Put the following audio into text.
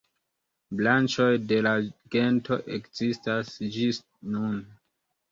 Branĉoj de la gento ekzistas ĝis nun.